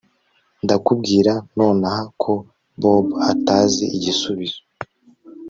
Ndakubwira nonaha ko Bobo atazi igisubizo